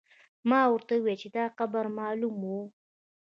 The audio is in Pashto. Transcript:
ما ورته وویل چې دا قبر معلوم و.